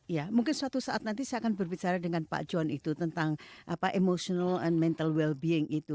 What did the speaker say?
ya mungkin suatu saat nanti saya akan berbicara dengan pak john itu tentang emotional and mental well being itu